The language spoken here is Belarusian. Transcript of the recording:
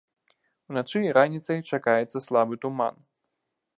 Уначы і раніцай чакаецца слабы туман.